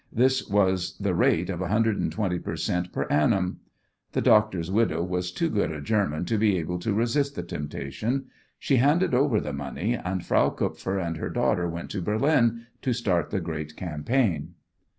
This was at the rate of 120 per cent per annum! The doctor's widow was too good a German to be able to resist the temptation. She handed over the money, and Frau Kupfer and her daughter went to Berlin to start the great campaign.